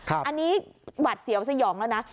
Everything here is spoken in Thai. อันนี้หวัดเสียวสยองแล้วนะ